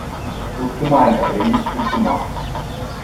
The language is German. Gut gemeint, aber eben nicht gut gemacht.